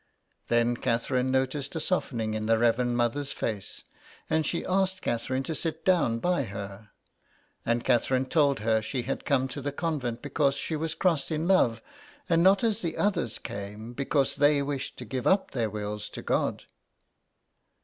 Then Catherine noticed a softening in the Reverend Mother's face, and she asked Catherine to sit down by her ; and Catherine told her she had come to the convent because she was crossed in love, and not as the others came, because they wished to give up their wills to God.